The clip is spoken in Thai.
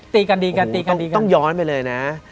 ตีกันดีกันตีกันดีต้องย้อนไปเลยนะ